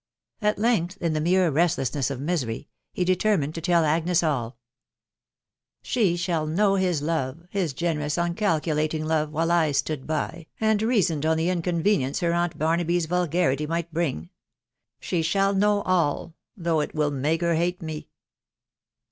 At length, in the mere restlessness of misery, he determined to tell Agnes all. ""She shall know his love — his generous uncalculating love, while I stood by, and reasoned on the inconvenience her aunt Barnaby's vulgarity might bring. She shall know all ...» though it will make her bate me